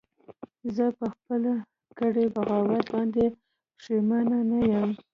زه په خپل کړي بغاوت باندې پښیمانه نه یم